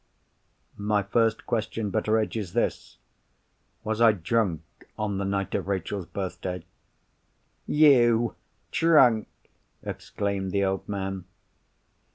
"My first question, Betteredge, is this. Was I drunk on the night of Rachel's Birthday?" "You drunk!" exclaimed the old man.